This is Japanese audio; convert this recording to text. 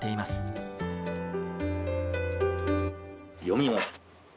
読みます。